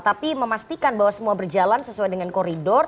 tapi memastikan bahwa semua berjalan sesuai dengan koridor